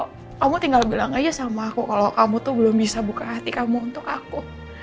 oh kamu tinggal bilang aja sama aku kalau kamu tuh belum bisa buka hati kamu untuk aku